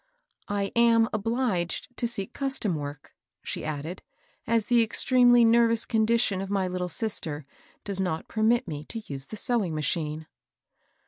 ^^I am obliged to seek custom work," she added, " as the extremely nervous con dition of my little sister does not permit me to use the sewing machine."